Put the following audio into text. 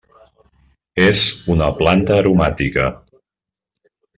És una planta aromàtica.